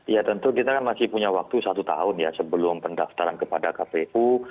ya tentu kita kan masih punya waktu satu tahun ya sebelum pendaftaran kepada kpu